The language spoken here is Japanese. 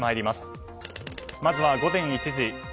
まずは午前１時。